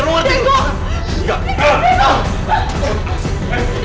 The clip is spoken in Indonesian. biar dia tau lah sih